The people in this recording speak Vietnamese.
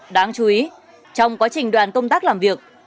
đáng chú ý trong quá trình đoàn công tác làm việc